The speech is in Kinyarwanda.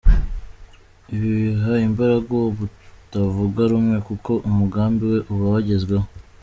Ibi biha imbaraga uwo mutavuga rumwe kuko umugambi we uba wagezweho.